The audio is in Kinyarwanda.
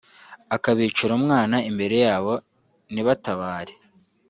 akabicira umwana imbere yabo ntibatabare